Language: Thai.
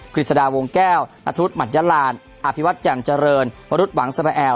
ฤษฎาวงแก้วนัทวุฒิหมัธยลานอภิวัตรแจ่มเจริญวรุษหวังสมแอล